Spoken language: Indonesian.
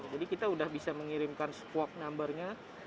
jadi kita sudah bisa mengirimkan squawk number nya